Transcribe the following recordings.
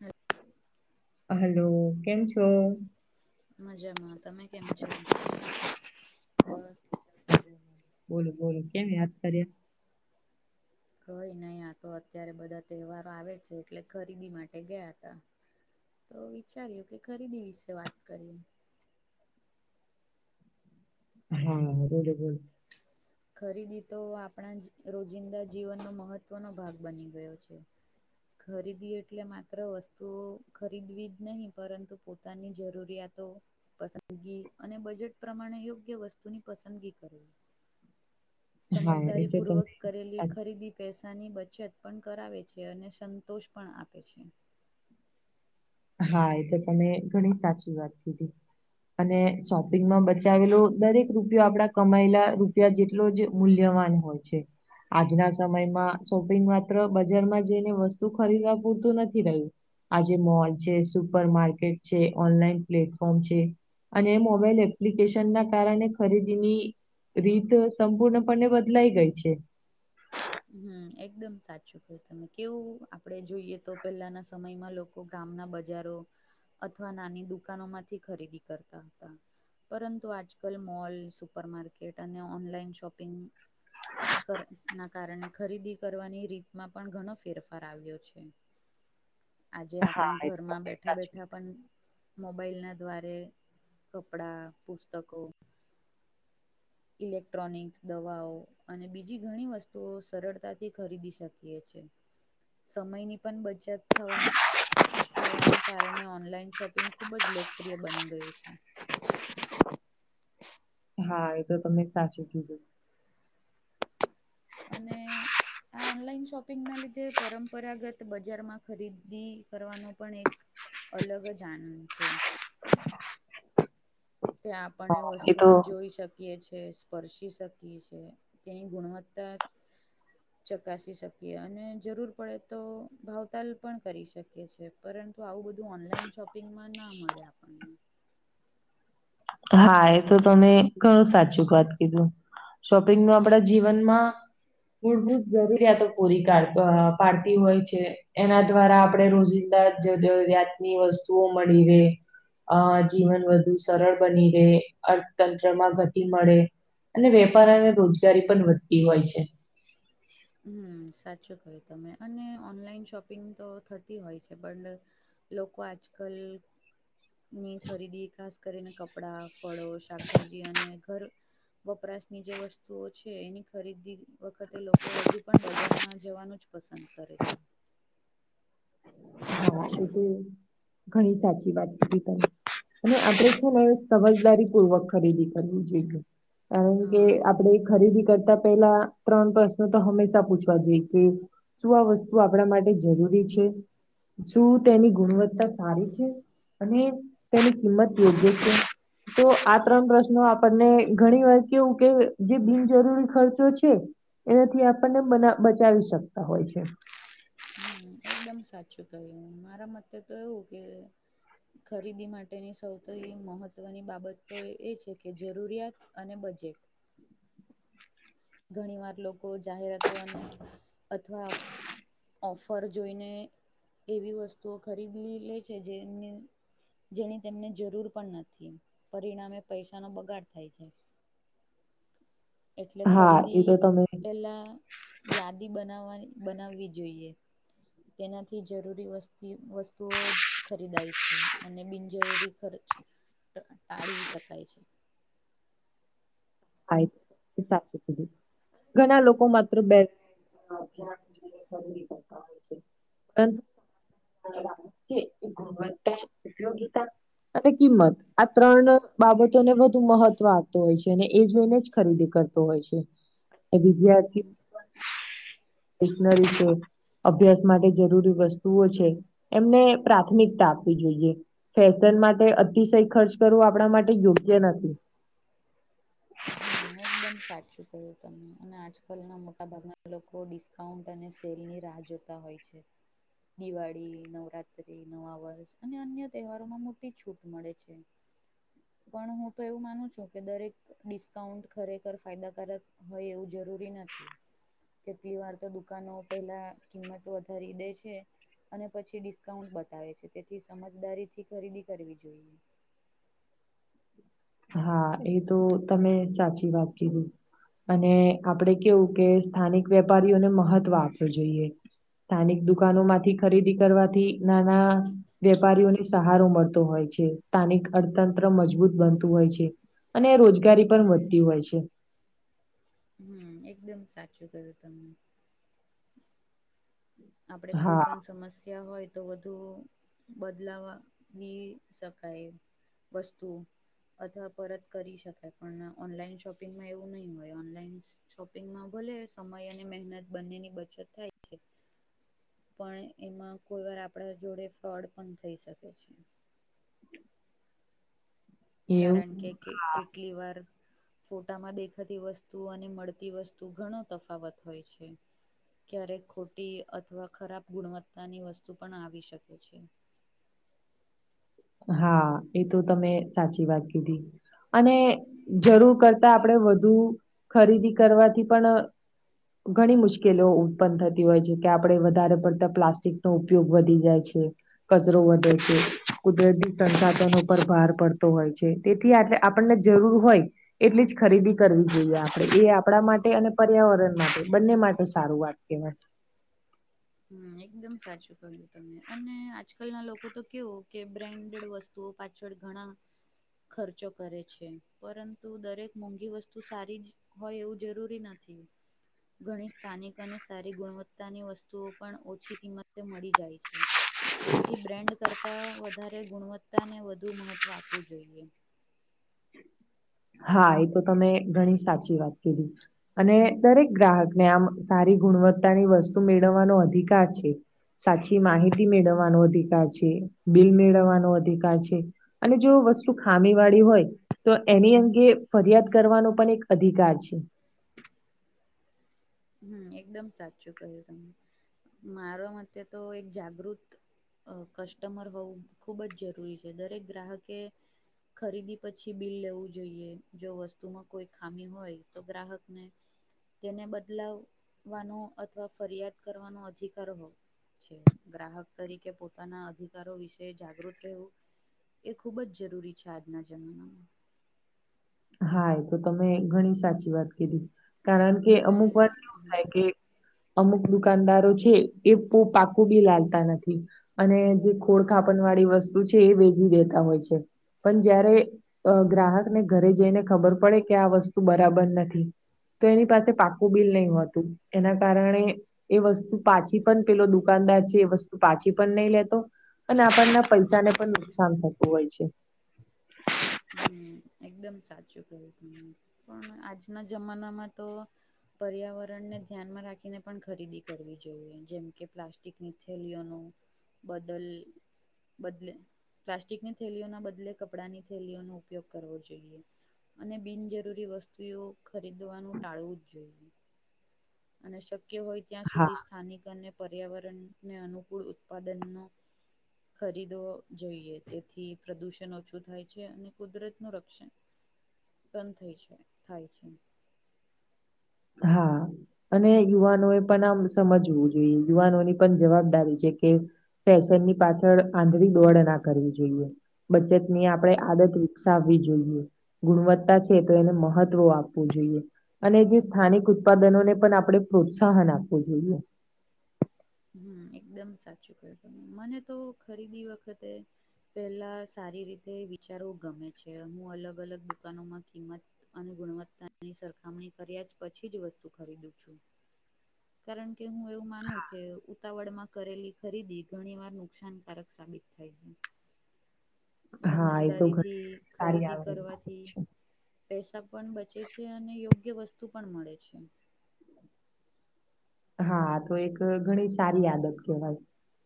હમ. Hello કેમ છો? મજામાં તમે કેમ છો? બોલો બોલો કેમ યાદ કરીયા. કઈ નહી આ તો અત્યારે બધા તહેવારો આવે છે એટલે ખરીદી માટે ગયા હતા. તો વિચાર્યું કે ખરીદી વિશે વાત કરીએ હા બરાબર. ખરીદી તો આપણા રોજિંદા જીવનનો મહત્વનો ભાગ બની ગયો છે. ખરીદી એટલે માત્ર વસ્તુઓ ખરીદવી જ નહી પરંતુ પોતાની જરૂરિયાતો પસંદગી અને બજેટ પ્રમાણે યોગ્ય વસ્તુની પસંદગી કરવી હા એ તો સમજદારીપૂર્વક તમે કરેલી સાચી ખરીદી પૈસાની બચત પણ કરાવે છે અને સંતોષ પણ આપે છે હા એ તો તમે ઘણી સાચી વાત કીધી અને શોપિંગમાં બચાવેલો દરેક રૂપિયો આપડા કમાયેલા રૂપિયા જેટલો જ મૂલ્યવાન હોય છે. આજના સમયમાં શોપિંગ માત્ર બજારમાં જઈને વસ્તુ ખરીદવા પૂરતું નથી રહ્યું. આજે મોલ છે સુપર માર્કેટ છે ઓનલાઈન પ્લેટફોર્મ છે અને મોબાઈલ એપ્લિકેશન ના કારણે ખરીદીની રીત સંપૂર્ણપણે બદલાઈ ગઈ છે હમ એકદમ સાચું કહ્યું તમે કેવું આપડે જોઈએ તો પહેલાના સમયમાં લોકો લોકો ગામના બજારો અથવા નાની દુકાનો માંથી ખરીદી કરતા હતા. પરંતુ આજકાલ મોલ સુપર માર્કેટ અને ઓનલાઈન શોપિંગ કર ના કારણે ખરીદી કરવાની રીતમાં પણ ઘણો ફેરફાર આવ્યો છે આજે હા, આપણે એ તો ઘરમાં તમે બેઠા સાચું બેઠા પણ મોબાઈલના દ્વારે કપડાં પુસ્તકો ઇલેક્ટ્રોનિક્સ, દવાઓ અને બીજી ઘણી વસ્તુઓ સરળતાથી ખરીદી શકીએ છે. સમયની પણ બચત થવામ થવાના કારણે ઓનલાઈન શોપિંગ ખૂબ જ લોકપ્રિય બની ગયું છે. હા એ તો તમે સાચું કીધું. અને આ ઓનલાઈન શોપિંગના લીધે પરંપરાગત બજારમાં ખરીદી કરવાનો પણ એક અલગ જ આનંદ છે. ત્યાં આપણ એ વસ્તુને જોઈ શક કીએ છે, સ્પર્શી શકીએ છે તેની ગુણવત્તા ચકાસી શકીએ અને જરૂર પડે તો ભાવતાલ પણ કરી શકીએ છીએ. પરંતુ આવું બધું ઓનલાઈન શોપિંગમાં ના મળે આપણને હા એતો તમે ઘણું સાચું વાત કીધું. શોપિંગ નું આપડા જીવનમાં મૂળભૂત જરૂરિયાતો પૂરી કાઢ પાડતી હોય છે એના દ્વારા આપણેે રોજિંદા જરૂરિયાતની વસ્તુઓ મળી રહે અ જીવન વધુ સરળ બની રહે અર્થતંત્રમાં ગતિ મળે અને વેપાર અને રોજગારી પણ વધતી હોય છે. હમ્મ, સાચું ક્યું તમે અને ઓનલાઈન શોપિંગ તો થતી હોય છે પણ લોકો આજ કલ ની ખરીદી ખાસ કરીને, કપડાં, ફળો, શાકભાજી અને ઘર વપરાશની જે વસ્તુઓ છે એની ખરીદી વખતે લોકો હજુ પણ બજારમાં જવાનું જ પસંદ કરે છે. હા, એ તો ઘણી સાચી વાત કીધી તમે. સમજદારી પૂર્વક ખરીદી કરવી જોઈએ. કારણ કે હા આપણેે ખરીદી કરતા પહેલા ત્રણ પ્રશ્નો તો હંમેશા પૂછવા જોઈએ, કે શું આ વસ્તુ આપણા માટે જરૂરી છે? શું તેની ગુણવત્તા સારી છે અને તેની કિંમત યોગ્ય છે. તો આ ત્રણ પ્રશ્નો આપણને ઘણી વાર કેવું કે જે બિનજરૂરી ખર્ચો છે. એનાથી આપણને બચાવી શકતા હોય છે. હમ્મ, એકદમ સાચું કહ્યું. મારા મતે તો એવું કે ખરીદી માટેની સૌથી મહત્વની બાબત એ છે કે જરૂરિયાત અને બજેટ. ઘણી વાર લોકો જાહેરાતો અને અથવા ઓફર જોઈને, એવી વસ્તુઓ ખરીદી લે છે. જેની જેની તેમને જરૂર પણ નથી. પરિણામે પૈસાનો બગાડ થાય છે. [inaudible] એટલે હા એ ખરીદી તો તમે પહેલા યાદી બનાવાની, બનાવવી જોઈએ. તેનાથી જરૂરી વસ્તી, વસ્તુઓ જ ખરીદાય છે અને બિનજરૂરી ખર્ચ ટાળી શકાય છે. થાય, સાચું કીધું. ઘણા લોકો માત્ર બે [inaudible] ગુણવત્તા, ઉપયોગિતા અને કિંમત. આ ત્રણ બાબતોને વધુ મહત્વ આપતો હોય છે. એ જોઈને જ ખરીદી કરતો હોય છે. એ વિધાર્થી સ્ટેશનરી છે અભ્યાસ માટે જરૂરી વસ્તુ ઓ છે એમને પ્રાથમિકતા આપવી જોઈએ. ફેશન માટે અતિશય ખર્ચ કરવો આપણા માટે યોગ્ય નથી. હમ્મ એકદમ સાચું કયું તમે અને આજકાલના મોટા ભાગના લોકો ડિસ્કાઉન્ટ અને સેલની રાહ જોતા હોય છે. દિવાળી, નવરાત્રિ નવા વર્ષ અને અન્ય તહેવારોમાં મોટી છૂટ મળે છે. પણ હું તો એવું માનું છું કે દરેક ડિસ્કાઉન્ટ ખરેખર ફાયદાકારક હોય, એવું જરૂરી નથી. કેટલી વાર તો દુકાનો પહેલા કિંમત વધારી દે છે. અને પછી ડિસ્કાઉન્ટ બતાવે છે, તેથી સમજદારીથી ખરીદી કરવી જોઈએ. હા, એ તો તમે સાચી વાત કીધી અને આપણેે કેવું કે સ્થાનિક વેપારીઓને મહત્વ આપવું જોઈએ. સ્થાનિક દુકાનોમાંથી ખરીદી કરવાથી નાના વેપારીઓને સહારો મળતો હોય છે. સ્થાનિક અર્થતંત્ર મજબૂત બનતું હોય છે અને રોજગારી પણ વધતી હોય છે. હમ્મ એકદમ સાચું કયું તમે આપણે કોઈ હા પણ સમસ્યા હોય, તો વધુ બદલાવ લાવી શકાય વસ્તુ અથવા પરત કરી શકાય, પણ ઓનલાઈન શોપિંગમાં એવું નહી હોય. ઓનલાઈન શોપિંગમાં ભલે સમય અને મહેનત બંનેની બચત થાય. છે પણ એમાં કોઈ વાર આપણા જોડે ફ્રોડ પણ થઈ શકે છે. એવું કારણ કે હા કેટલીવાર ફોટામાં દેખાતી વસ્તુ અને મળતી વસ્તુ ઘણો તફાવત હોય છે. ક્યારેક ખોટી અથવા ખરાબ ગુણવત્તાની વસ્તુ પણ આવી શકે છે. હા એ તો તમે સાચી વાત કીધી અને જરૂર કરતા આપણેે વધુ ખરીદી કરવાથી પણ ઘણી મુશ્કેલી ઉત્પન્ન થતી હોય છે કે આપડે વધારે પડતા પ્લાસ્ટિકનો ઉપયોગ વધી જાય છે. કચરો વધે છે. કુદરતી સંસાધનો પર ભાર પડતો હોય છે તેથી આટલે આપણને જરૂર હોય એટલીજ ખરીદી કરવુ જોઈએ આપણેે એ આપણા માટે અને પર્યાવરણ માટે બંને માટે સારું વાત કહેવાય હમ્મ એકદમ સાચું કહ્યું તમે અને આજકાલના લોકોતો કેવું કે બ્રેન્ડેડ વસ્તુ ઓ પાછળ ઘણા ખર્ચો કરે છે પરંતુ દરેક મોંઘી વસ્તુ સારીજ હોય એવું જરૂરી નથી ઘણી સ્થાનિક અને સારી ગુણવત્તાની વસ્તુ ઓ પણ ઓછી કિંમતે મળી જાય છે તેથી બ્રેન્ડ કરતા વધારે ગુણવત્તાને વધુ મહત્વ આપવું જોઈએ. હા એ તો તમે ઘણી સાચી વાત કીધી. અને દરેક ગ્રાહકને આમ સારી ગુણવત્તાની વસ્તુ મેળવવાનો અધિકાર છે. સાચી માહિતી મેળવવાનો અધિકાર છે બિલ મેળવવાનો અધિકાર છે. અને જો વસ્તુ ખામી વાળી હોય તો એની અંદર એ ફરિયાદ કરવાનો પણ એક અધિકાર છે. હમ્મ એકદમ સાચું કહ્યું તમે મારા મતે તો એક જાગૃત કસ્ટમર હોવું ખૂબ જ જરૂરી છે દરેક ગ્રાહકે ખરીદી પછી બિલ લેવું જોઈએ જો વસ્તુમાં કોઈ ખામી હોય તો ગ્રાહકને તેને બદલાવવાનો અથવા ફરિયાદ કરવાનો અધિકાર હોવો. ગ્રાહક તરીકે પોતાના અધિકારો વિશે જાગૃત રહેવું. એ ખૂબજ જરૂરી છે આજના જમાનામાં. હા એ તો તમે ઘણી સાચી વાત કીધી. કારણ કે અને અમુક વાર કેવું થાય કે અમુક દુકાનદારો છે એ બહુ પાકુ બીલ આલતા નથી. અને જે ખોડ ખાપણ વાળી વસ્તુ છે એ વેચી દેતા હોય છે. પણ જયારે ગ્રાહકને ઘરે જઈને ખબર પડે કે આ વસ્તુ બરાબર નથી તો એની પાસે પાકુ બીલ ભી નહી હોતું. એના કારણે એ વસ્તુ પાછી પણ પેલો દુકાનદાર છે એ વસ્તુ પાછી પણ નહી લેતો અને આપણને પૈસાને પણ નુકસાન થતું હોય છે. હમ્મ એકદમ સાચું કહ્યું તમેં પણ આજના જમાનામાં તો પર્યાવરણને ધ્યાનમાં રાખીને પણ ખરીદી કરવી જોઈએ જેમ કે પ્લાસ્ટિકની થેલીઓનું બદલ બદલે પ્લાસ્ટિકની થેલીઓના બદલ બદલે કપડાંની થેલીઓનો ઉપયોગ કરવો જોઈએ. અને બિનજરૂરી વસ્તુઓ ખરીદવાનું ટાળવુંજ જોઈએ. અને શક્ય હોય ત્યાં હા સુધી સ્થાનિક અને પર્યાવરણને અનુકૂળ ઉત્પાદનનો ખરીદો જોઈએ તેથી પ્રદુષણ ઓછું થાય છે અને કુદરતનું રક્ષણ બંધ થઈ છે થાય છે. હા. અને યુવાનોએ પણ આમ સમજવું જોઈએ, યુવાનોની પણ જવાબદારી છે કે પેસા ની પાછળ આંધળી દોડ ના કરવી જોઈએ. બચત ની આપણે આદત વિકસાવવી જોઈએ. ગુણવત્તા છે તો એને મહત્વ આપવું જોઈએ અને જે સ્થાનિક ઉત્પાદનોને પણ આપડે પ્રોત્સાહન આપવું જોઈએ. હમ્મ એકદમ સાચું કહ્યું મને તો ખરીદી વખતે પેલા સારી રીતે વિચારવું ગમે છે. હું અલગ અલગ દુકાનોમાં કિંમત અને ગુણવત્તાની સરખામણી કર્યા પછી જ વસ્તુ ખરીદું છું. કારણ કે હું એવું માનું કે ઉતાવળમાં કરેલી ખરીદી ઘણી વાર નુકસાનકારક સાબિત થાય છે. હા એ તો ઘણી સમજદારીથી સારી ખરીદી આવે કરવાથી છે પૈસા પણ બચે છે અને યોગ્ય વસ્તુ પણ મળે છે. હા તો એક ઘણી સારી આદત કહેવાય.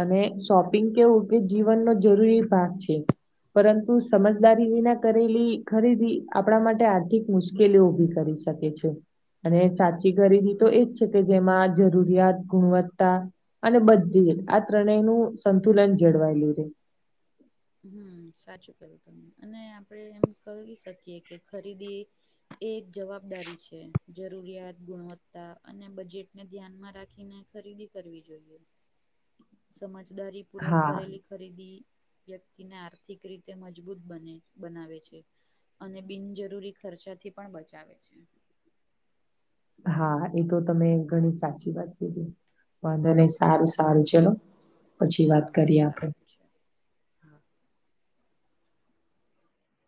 અને શોપિંગ કેવું કે જીવનનો જરૂરી ભાગ છે. પરંતુ સમજદારી વિના કરેલી ખરીદી આપણા માટે આર્થિક મુશ્કેલી ઓ ઉભી કરે છે. [inaudible] છે અને સાચી ગરીબી તો એજ છે કે જેમાં જરૂરિયાત ગુણવત્તા અને બધુંય આ ત્રણેય નું સંતુલન જળવાયેલું રહે. હમ સાચું કહ્યું તમે, અને આપણે એમ કહી શકીએ કે ખરીદી એ એક જવાબદારી છે જરૂરિયાત ગુણવત્તા અને બજેટને ધ્યાનમાં રાખીને ખરીદી કરવી જોઈએ. સમજદારી પૂર્વક હા કરેલી ખરીદી વ્યક્તિને આર્થિક રીતે મજબૂત બનાવે છે. અને બિનજરૂરી ખર્ચાથી પણ બચાવે છે. હા એતો તમે ઘણી સાચી વાત કીધી. વાંધો નઈ સારું સારું ચલો પછી વાત હા હા કરીએ આપડે. સારું છે હા